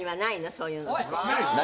そういう。